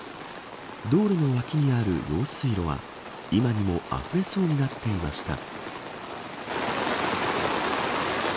道路の脇にある用水路は今にもあふれそうになっていました。